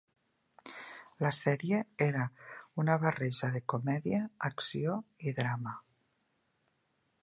La sèrie era una barreja de comèdia, acció i drama.